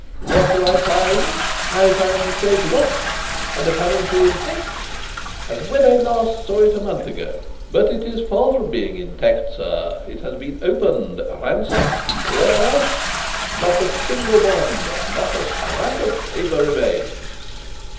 What do I find? I find the safe locked and apparently intact, as when I last saw it a month ago. But it is far from being intact, sir! It has been opened, ransacked, cleared out! Not a single bond, not a scrap of paper remains."